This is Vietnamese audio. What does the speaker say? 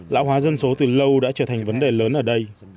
lão hóa dân số từ lâu đã trở thành vấn đề lớn ở đây